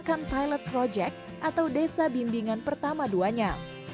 yang telah terjadi sejak cina cina yang terb neden di mata